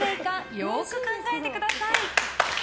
よーく考えてください。